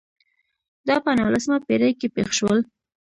دا په نولسمه پېړۍ کې پېښ شول.